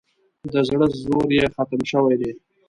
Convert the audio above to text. د زړه زور یې ختم شوی دی.